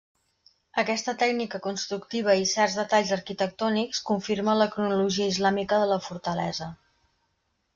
Aquesta tècnica constructiva i certs detalls arquitectònics confirmen la cronologia islàmica de la fortalesa.